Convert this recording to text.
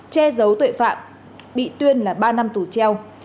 che giấu tội phạm bị tuyên là ba năm tù treo